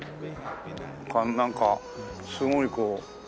なんかすごいこう。